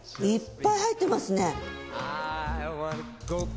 いっぱい入ってますね。